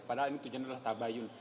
padahal ini tujuan adalah tabayun